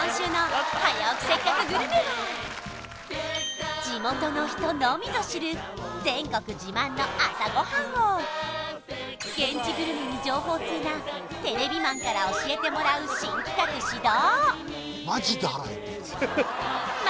今週の地元の人のみぞ知る全国自慢の朝ごはんを現地グルメに情報通なテレビマンから教えてもらう新企画始動！